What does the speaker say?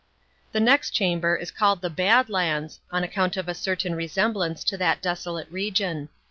The next chamber is called the Bad Lands, on account of a certain resemblance to that desolate region.